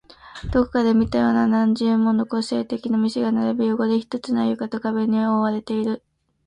どこかで見たような何十もの個性的な店が並び、汚れ一つない床と壁に覆われている